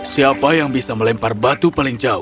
siapa yang bisa melempar batu paling jauh